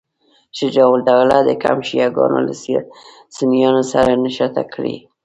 شجاع الدوله د کمپ شیعه ګانو له سنیانو سره نښته کړې.